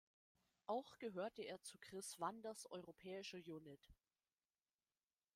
Auch gehörte er zu Kris Wanders’ europäischer Unit.